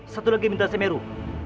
satu lagi mita semeru